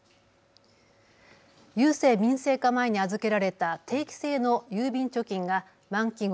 郵政民営化前に預けられた定期性の郵便貯金が満期後